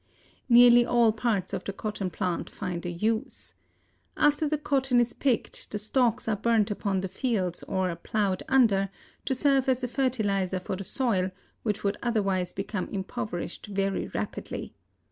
Nearly all parts of the cotton plant find a use. After the cotton is picked, the stalks are burnt upon the fields or "plowed under" to serve as a fertilizer for the soil, which would otherwise become impoverished very rapidly.